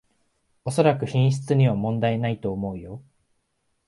おそらく品質には問題ないと思うよ